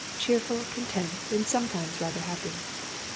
cheerful, content, and sometimes rather happy....